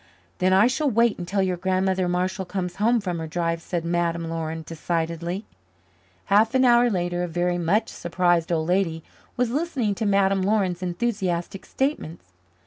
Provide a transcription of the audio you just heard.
"Then I shall wait until your Grandmother Marshall comes home from her drive," said Madame Laurin decidedly. Half an hour later a very much surprised old lady was listening to Madame Laurin's enthusiastic statements.